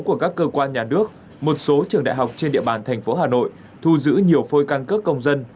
của các cơ quan nhà nước một số trường đại học trên địa bàn thành phố hà nội thu giữ nhiều phôi căn cước công dân